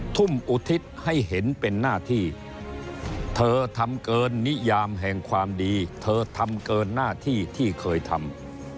ทุ่มอุทิศให้เห็นเป็นหน้าที่เธอทำเกินนิยามแห่งความดีเธอทำเกินหน้าที่ที่เคยทำ